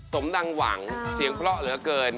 สมดังหวังเสียงเพราะเหลือเกิน